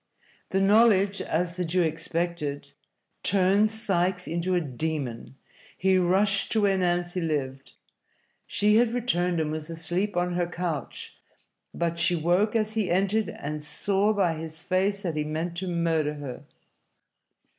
The knowledge, as the Jew expected, turned Sikes into a demon. He rushed to where Nancy lived. She had returned and was asleep on her couch, but she woke as he entered, and saw by his face that he meant to murder her.